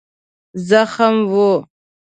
زخم و.